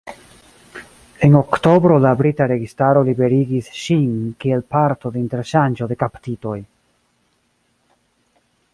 En oktobro la brita registaro liberigis ŝin kiel parto de interŝanĝo de kaptitoj.